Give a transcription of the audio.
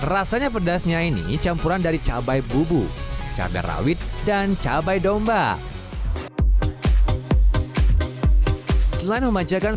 rasanya pedasnya ini campuran dari cabai bubu cabai rawit dan cabai domba selain memanjakan